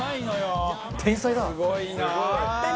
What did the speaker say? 天才だ！